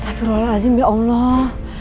astaghfirullahaladzim ya allah